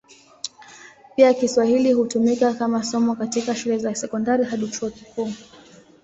Pia Kiswahili hutumika kama somo katika shule za sekondari hadi chuo kikuu.